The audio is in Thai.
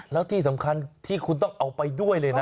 แล้วที่สำคัญที่คุณต้องเอาไปด้วยเลยนะ